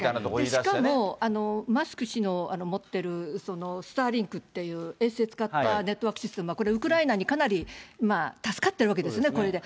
しかも、マスク氏の持ってるスターリンクという衛星使ったネットワークシステムは、これ、ウクライナにかなり助かってるわけですね、これで。